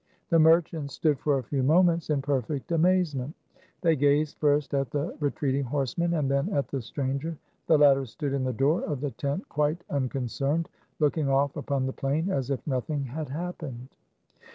The merchants stood for a few moments in perfect amazement. They gazed first at the re treating horsemen and then at the stranger. The latter stood in the door of the tent quite uncon cerned, looking off upon the plain as if nothing had happened.